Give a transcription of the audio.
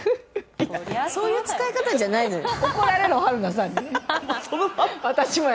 そういう使い方じゃないのよ。